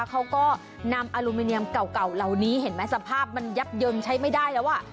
ก็นำแท่งอะลูมิเนี่ยมเก่าเห็นไหมสภาพมันเย็บเยิ่มใช้ไม่ได้เลย